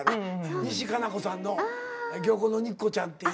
西加奈子さんの「漁港の肉子ちゃん」っていう。